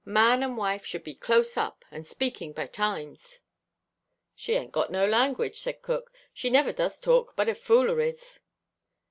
Man and wife should be close up, and speaking by times." "She ain't got no language," said cook. "She never does talk but of fooleries."